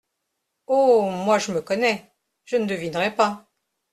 Oh ! moi, je me connais ! je ne devinerai pas !